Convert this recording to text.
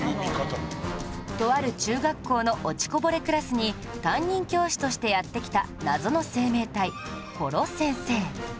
とある中学校の落ちこぼれクラスに担任教師としてやって来た謎の生命体殺せんせー